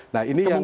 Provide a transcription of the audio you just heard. nah ini yang